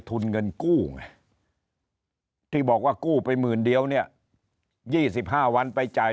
ทุนเงินกู้ไงที่บอกว่ากู้ไปหมื่นเดียวเนี่ย๒๕วันไปจ่าย